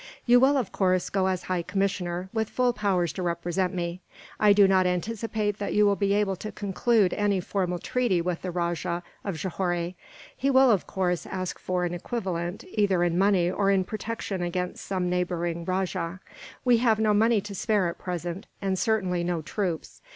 "You will, of course, go as high commissioner, with full powers to represent me. I do not anticipate that you will be able to conclude any formal treaty with the Rajah of Johore. He will, of course, ask for an equivalent, either in money or in protection against some neighbouring rajah. We have no money to spare at present, and certainly no troops.